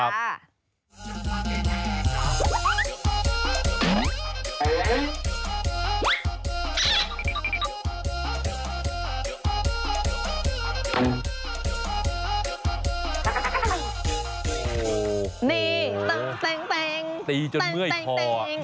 โอ้วนี่แต๊งแต๊ง